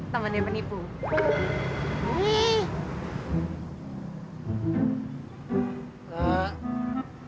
temen yang menipu